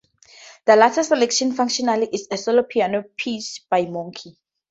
The latter selection, "Functional," is a solo piano piece by Monk.